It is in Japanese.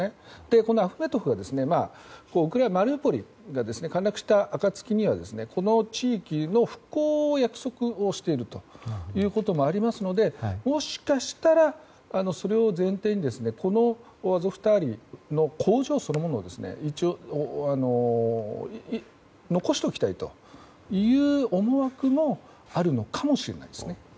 このアフメトフはマリウポリが陥落した暁にはこの地域の復興を約束していますのでもしかしたら、それを前提にこのアゾフスタリの工場そのものを残しておきたいという思惑もあるのかもしれないですね。